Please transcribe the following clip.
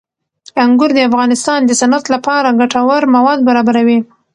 انګور د افغانستان د صنعت لپاره ګټور مواد برابروي.